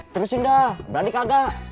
terus indah berani kagak